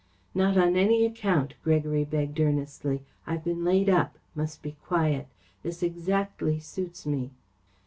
"Not on any account," Gregory begged earnestly. "I've been laid up. Must be quiet. This exactly suits me."